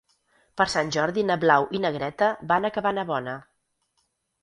Per Sant Jordi na Blau i na Greta van a Cabanabona.